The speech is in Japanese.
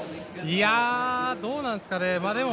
いやどうなんですかね。